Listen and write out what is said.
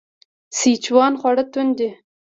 سیچوان خواړه توند دي.